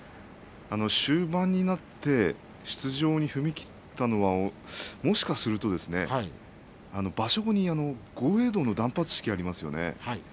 終盤になって出場に踏み切ったのはもしかすると場所後に豪栄道の断髪式がありますね。